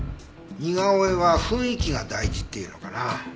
似顔絵は雰囲気が大事っていうのかな。